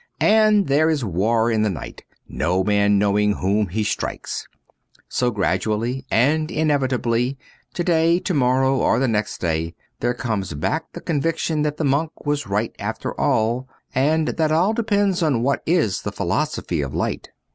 And there is war in the night, no man knowing whom he strikes. So, gradually and inevitably, to day, to morrow, or the next day, there comes back the conviction that the monk was right after all, and that all depends on what is the philosophy of Light.